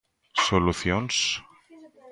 Solucións?